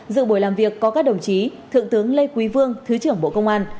dự buổi làm việc có các đồng chí thượng tướng lê quý vương thứ trưởng bộ công an